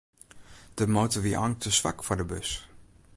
De motor wie eink te swak foar de bus.